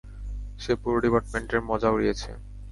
সে পুরো ডিপার্টমেন্টের মজা উড়িয়েছে।